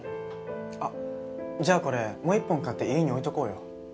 あっじゃあこれもう一本買って家に置いとこうよ。